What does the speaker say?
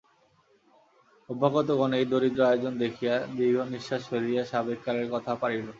অভ্যাগতজন এই দরিদ্র আয়োজন দেখিয়া দীর্ঘনিশ্বাস ফেলিয়া সাবেক কালের কথা পাড়িল।